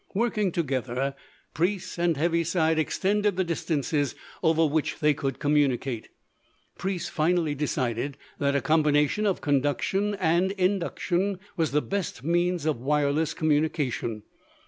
Working together, Preece and Heaviside extended the distances over which they could communicate. Preece finally decided that a combination of conduction and induction was the best means of wireless communication.